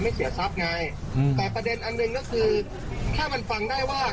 ทำให้เศียร์ชัพไงอืมแต่ประเด็นอันหนึ่งก็คือค่ะมันฟังได้ว่า